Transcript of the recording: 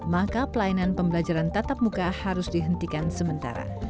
maka pelayanan pembelajaran tatap muka harus dihentikan sementara